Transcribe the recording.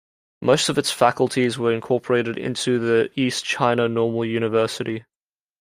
Most of its faculties were incorporated into the East China Normal University.